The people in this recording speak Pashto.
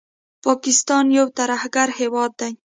پاکستان یو ترهګر هیواد دي